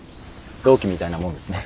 同期みたいなもんですね。